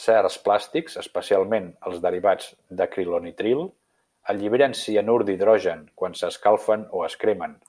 Certs plàstics, especialment els derivats d'acrilonitril, alliberen cianur d'hidrogen quan s'escalfen o es cremen.